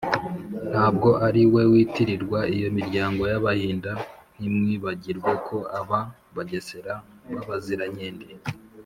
ntabwo ariwe witirirwa iyo miryango y’abahinda. ntimwibagirwe ko aba bagesera b’abazirankende